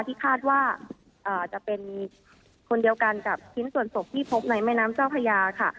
ที่คาดว่าจะเป็นคนเดียวกันกับชิ้นส่วนศพที่พบในแม่น้ำเจ้าพญาค่ะ